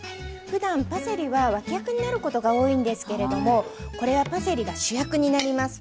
ふだんパセリは脇役になることが多いんですけれどもこれはパセリが主役になります。